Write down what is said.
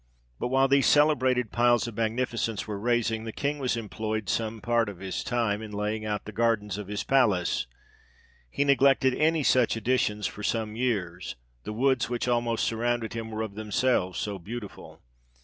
But while these celebrated piles of magnificence were raising, the King was employed some part of his time in laying out the gardens of his palace ; he neglected any such additions for some years, the woods which almost surrounded him were of themselves so beauti ful.